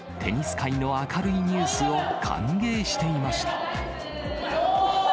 界の明るいニュースを歓迎していました。